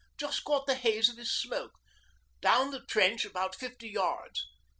'Just caught the haze of his smoke. Down the trench about fifty yards.